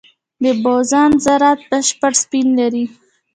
د بوزون ذرات بشپړ سپین لري.